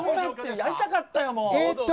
やりたかったよ、もう！